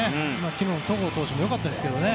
昨日の戸郷選手も良かったですけど。